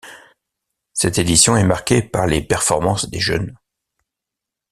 Cette édition est marquée par les performances des jeunes.